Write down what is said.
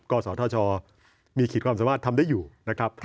กศธชมีขีดความสามารถทำได้อยู่นะครับ